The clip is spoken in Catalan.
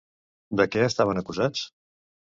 De què estaven acusats?